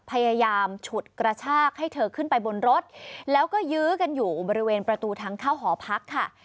พยายามฉุดกระชากให้เธอขึ้นไปบนรถแล้วก็ยื้อกันอยู่บริเวณประตูทางเข้าหอพักค่ะ